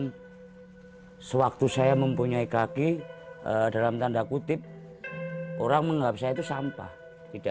hai sewaktu saya mempunyai kaki dalam tanda kutip orang menghabiskan itu sampah tidak